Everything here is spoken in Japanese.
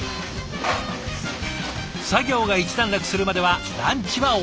作業が一段落するまではランチはお預け。